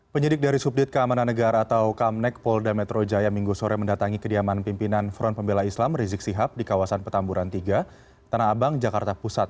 penyidik dari subdit keamanan negara atau kamnek polda metro jaya minggu sore mendatangi kediaman pimpinan front pembela islam rizik sihab di kawasan petamburan tiga tanah abang jakarta pusat